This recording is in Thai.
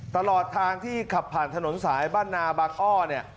ตลอดทางที่ขับผ่านถนนสายบ้านนาบางอ้อเนี่ย